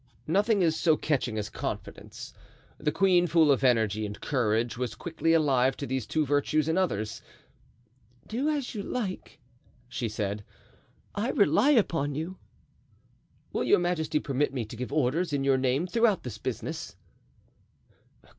Nothing is so catching as confidence. The queen, full of energy and courage, was quickly alive to these two virtues in others. "Do as you like," she said, "I rely upon you." "Will your majesty permit me to give orders in your name throughout this business?"